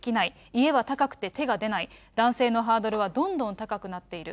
家は高くて手が出ない、男性のハードルはどんどん高くなっている。